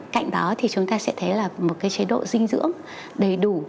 cạnh đó thì chúng ta sẽ thấy là một chế độ dinh dưỡng đầy đủ